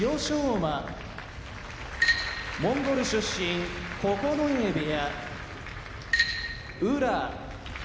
馬モンゴル出身九重部屋宇良